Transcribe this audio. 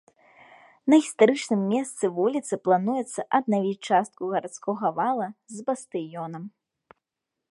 На гістарычным месцы вуліцы плануецца аднавіць частку гарадскога вала з бастыёнам.